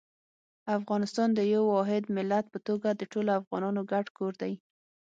افغانستان د یو واحد ملت په توګه د ټولو افغانانو ګډ کور دی.